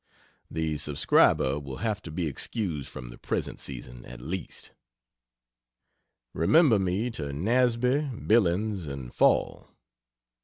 The subscriber will have to be excused from the present season at least. Remember me to Nasby, Billings and Fall.